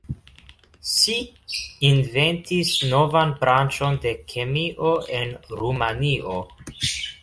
Si inventis novan branĉon de kemio en Rumanio.